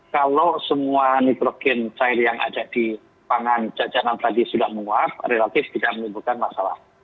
kalau semua nitrogen cair yang ada di pangan jajanan tadi sudah menguap relatif tidak menimbulkan masalah